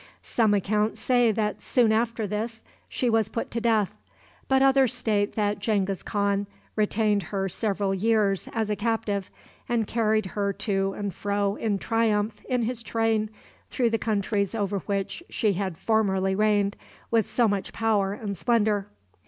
Some accounts say that soon after this she was put to death, but others state that Genghis Khan retained her several years as a captive, and carried her to and fro in triumph in his train through the countries over which she had formerly reigned with so much power and splendor.